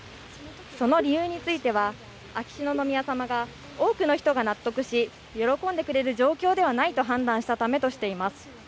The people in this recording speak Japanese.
その理由については、秋篠宮さまが多くの人が納得し喜んでくれる状況ではないと判断したためとしています。